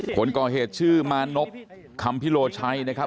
คนก่อเหตุชื่อมานพคำพิโลชัยนะครับ